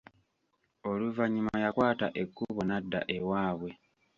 Oluvannyuma yakwata ekubo n'adda ewaabwe.